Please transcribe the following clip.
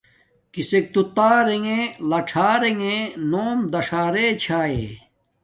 کسک تو تارے وہ لݽر رنݣ نوم داݽا رے چھاݵ۔